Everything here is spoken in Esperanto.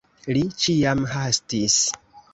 Li ĉiam hastis.